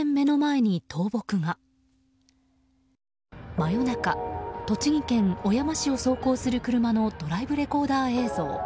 真夜中栃木県小山市を走行する車のドライブレコーダー映像。